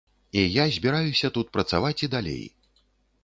І я збіраюся тут працаваць і далей.